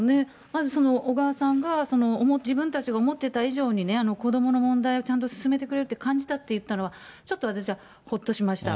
まず小川さんが自分たちが思ってた以上にね、子どもの問題をちゃんと進めてくれるって感じたっていうのは、ちょっと私はほっとしました。